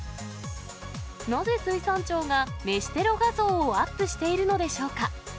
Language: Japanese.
なぜ水産庁が飯テロ画像をアップしているのでしょうか。